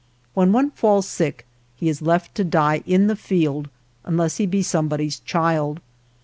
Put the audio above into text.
When one falls sick he is left to die in the field unless he be somebody's child